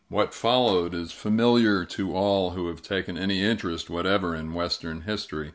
What followed is familiar to all who have taken any interest whatever in Western history.